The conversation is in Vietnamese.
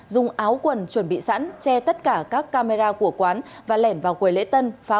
dùng áo quần chuẩn bị sẵn che tất cả các camera của quán và lẻn vào quầy lễ tân